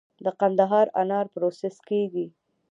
د قندهار انار پروسس کیږي؟